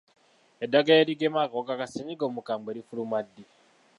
Eddagala erigema akawuka ka ssenyiga omukambwe lifuluma ddi?